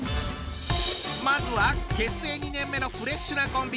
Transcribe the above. まずは結成２年目のフレッシュなコンビ。